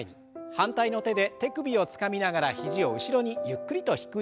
反対の手で手首をつかみながら肘を後ろにゆっくりと引く運動です。